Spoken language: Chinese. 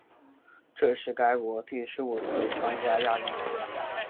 这是该国第十五次参加亚运。